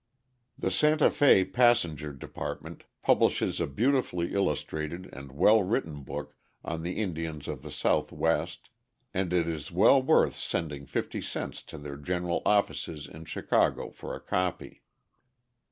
The Santa Fe passenger department publishes a beautifully illustrated and well written book on the Indians of the Southwest, and it is well worth sending fifty cents to their general offices in Chicago for a copy.